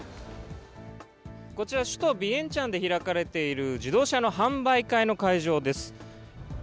こちら首都ビエンチャンで開かれている、自動車の販売会の会